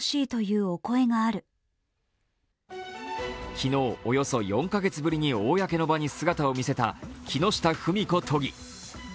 昨日およそ４カ月ぶりに公の場に姿を見せた木下富美子都議。